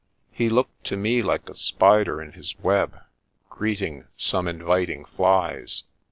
He looked to me like a spider in his web, greeting some inviting flies.